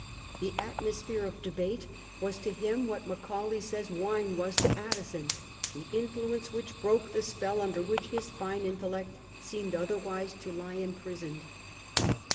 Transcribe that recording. The atmosphere of debate was to him what Macaulay says wine was to Addison, the in fluence which broke the spell under which his fine intellect seemed otherwise to lie imprisoned.